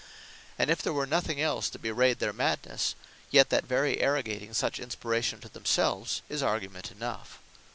And if there were nothing else that bewrayed their madnesse; yet that very arrogating such inspiration to themselves, is argument enough.